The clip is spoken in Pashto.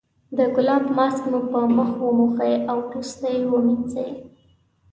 د ګلاب ماسک مو په مخ وموښئ او وروسته یې ومینځئ.